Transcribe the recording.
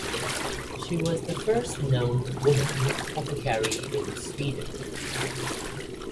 She was the first known woman apothecary in Sweden.